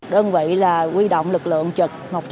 đơn vị là quy động lực lượng trực